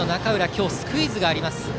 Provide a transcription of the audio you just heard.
今日スクイズがあります。